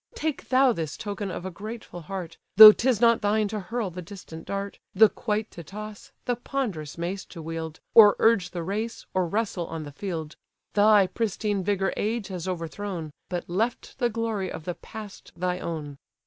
Take thou this token of a grateful heart, Though 'tis not thine to hurl the distant dart, The quoit to toss, the ponderous mace to wield, Or urge the race, or wrestle on the field: Thy pristine vigour age has overthrown, But left the glory of the past thy own."